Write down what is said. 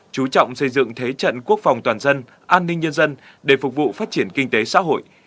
chú trọng xây dựng thế trận quốc phòng toàn dân an ninh nhân dân để phục vụ phát triển kinh tế xã hội